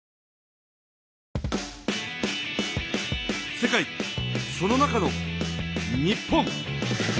世界その中の日本。